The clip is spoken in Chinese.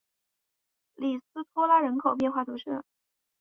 里斯托拉人口变化图示